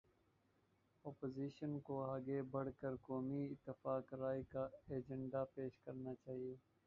Opposition کو آگے بڑھ کر قومی اتفاق رائے کا ایجنڈا پیش کرنا چاہیے۔